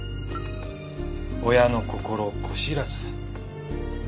親の心子知らず。